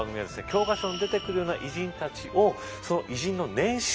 教科書に出てくるような偉人たちをその偉人の年収